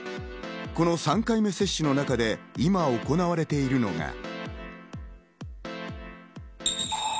この３回目接種の中で今、行われているのが。